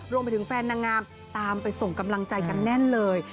รวมไปถึงแฟนนางงามตามไปส่งกำลังใจกันแน่นเลย